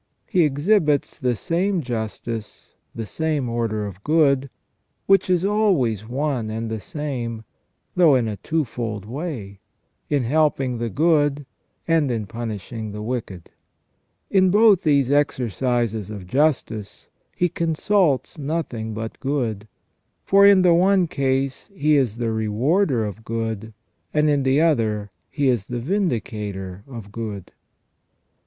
He exhibits the same justice, the same order of good, which is always one and the same, though in a twofold way, in helping the good and in punishing the wicked. In both these exercises of justice He consults nothing but good, for in the one case He is the rewarder of good, and in the other He is the vindicator of good.